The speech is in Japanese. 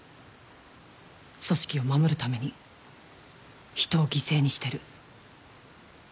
「組織」を守るために「人」を犠牲にしてる。